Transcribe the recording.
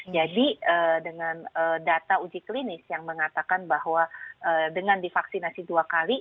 jadi dengan data uji klinis yang mengatakan bahwa dengan divaksinasi dua kali